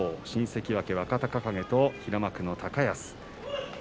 新関脇若隆景と平幕の高安。